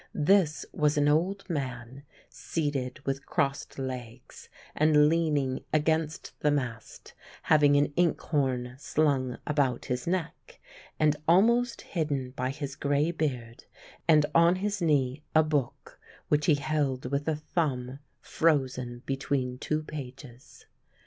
This was an old man seated with crossed legs and leaning against the mast, having an ink horn slung about his neck, and almost hidden by his grey beard, and on his knee a book, which he held with a thumb frozen between two pages.